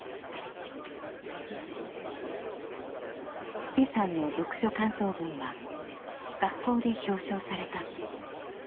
千青さんの読書感想文は学校で表彰された。